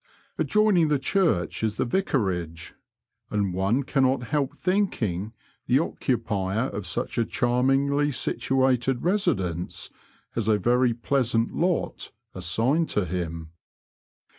Adjoining the church is the Vicarage, and one cannot help thinking the occupier of such a charmingly situated residence has a very pleasant lot assigned to him.